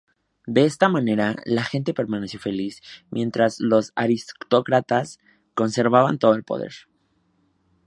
De esta manera, la gente permaneció feliz mientras los aristócratas conservaban todo el poder.